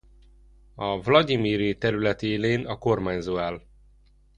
A Vlagyimiri terület élén a kormányzó áll.